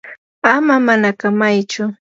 ama manakamaychu.